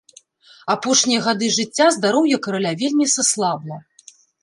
Апошнія гады жыцця здароўе караля вельмі саслабла.